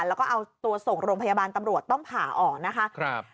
แล้วก็เอาตัวส่งโรงพยาบาลตำรวจต้องผ่าออกนะคะ